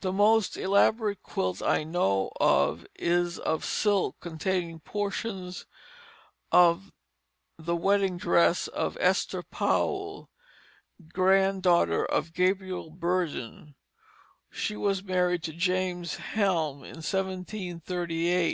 The most elaborate quilt I know of is of silk containing portions of the wedding dress of Esther Powel, granddaughter of Gabriel Bernon; she was married to James Helme in 1738.